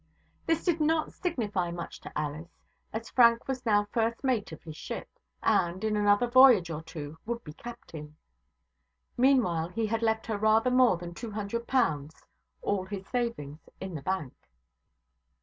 This did not signify much to Alice, as Frank was now first mate of his ship, and, in another voyage or two, would be captain. Meanwhile he had left her rather more than two hundred pounds (all his savings) in the bank.